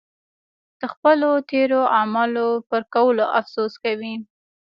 د خپلو تېرو اعمالو پر کولو افسوس کوي.